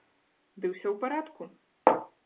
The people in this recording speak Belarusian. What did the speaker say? Ды ўсё ў парадку!